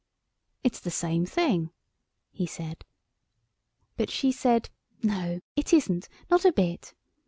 "It's the same thing," he said. But she said: "No, it isn't, not a bit."